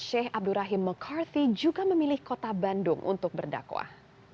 sheikh abdurrahim mccarthy juga memilih kota bandung untuk berdakwah